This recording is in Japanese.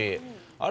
あれ？